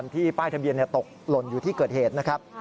ป้ายทะเบียนตกหล่นอยู่ที่เกิดเหตุนะครับ